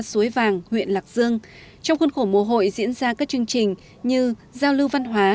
suối vàng huyện lạc dương trong khuôn khổ mùa hội diễn ra các chương trình như giao lưu văn hóa